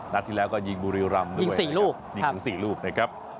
นัดที่แล้วก็ยิงบุริยุรัมน์ด้วยยิงถึง๔ลูกนะครับ